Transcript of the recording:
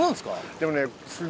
でもね。